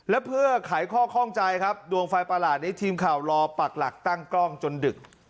และเพื่อขายข้อข้องใจครับดวงไฟประหลาดนี้ทีมข่าวรอปักหลักตั้งกล้องจนดึก